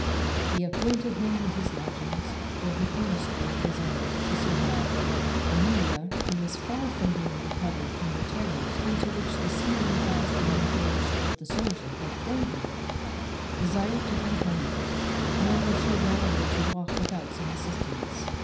He acquainted him with his lodgings, where he earnestly desired to see him. [Illustration: He seized him by the collar.] Amelia, who was far from being recovered from the terrors into which the seeing her husband engaged with the soldier had thrown her, desired to go home: nor was she well able to walk without some assistance.